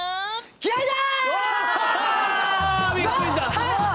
気合いだ！